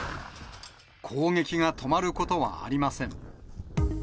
攻撃が止まることはありません。